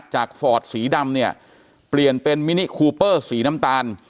ฟอร์ดสีดำเนี่ยเปลี่ยนเป็นมินิคูเปอร์สีน้ำตาล